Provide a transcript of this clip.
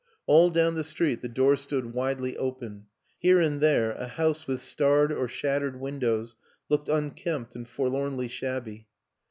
All down the street the doors stood widely open here and there a house with starred or shat tered windows looked unkempt and forlornly shabby.